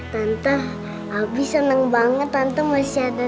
tante senang banget tante masih ada